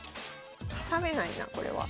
挟めないなこれは。